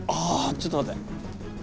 ちょっと待って。